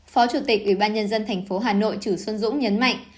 phó chủ tịch ủy ban nhân dân thành phố hà nội trữ xuân dũng nhấn mạnh